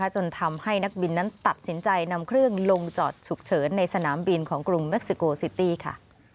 จนทำให้นักบินนั้นตัดสินใจนำเครื่องลงจอดฉุกเฉินในสนามบินของกรุงเม็กซิโกซิตี้ค่ะ